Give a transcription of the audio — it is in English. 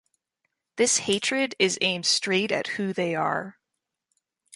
This hatred is aimed straight at who they are.